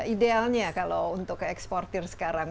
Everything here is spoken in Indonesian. idealnya kalau untuk eksportir sekarang